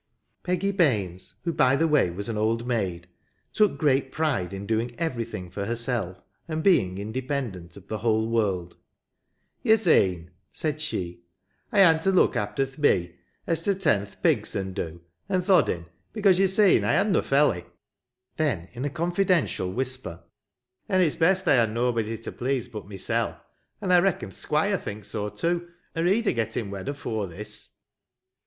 Peggy Baines (who by the way was an old maid) took great pride in doing everything for herself, and being independent of the whole world. *' Yo' seen," said she, *' I han to look after th' bee', as to tend th' pigs and do, an th* oddin, beccause yo' seen I han no felly ;" then, in a confidential whisper, and 19 c 2 Lancashire Memories. it's best I ban nobody t' please but mysel' ; an' I reckon th' Squire thinks so too, or he'd a gettin' wed afore this."